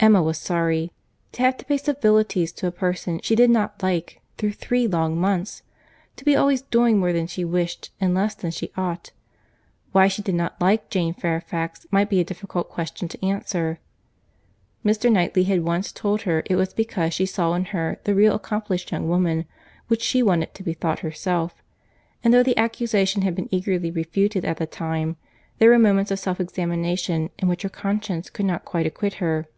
Emma was sorry;—to have to pay civilities to a person she did not like through three long months!—to be always doing more than she wished, and less than she ought! Why she did not like Jane Fairfax might be a difficult question to answer; Mr. Knightley had once told her it was because she saw in her the really accomplished young woman, which she wanted to be thought herself; and though the accusation had been eagerly refuted at the time, there were moments of self examination in which her conscience could not quite acquit her.